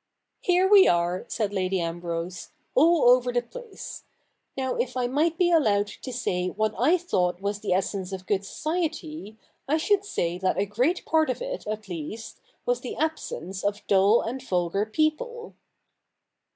' Here we are," said Lady ..Vmbrose, ' all over the place. Now if I might be allowed to sa} what I thought was the essence of good society, 1 should say that a great part of it, at least, was the absence of dull and vulgar people.'